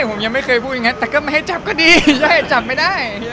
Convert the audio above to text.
ผมยังไม่เคยพูดอย่างนั้นแต่ก็ไม่ให้จับก็ดีใช่จับไม่ได้